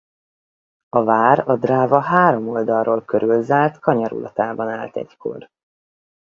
A vár a Dráva három oldalról körülzárt kanyarulatában állt egykor.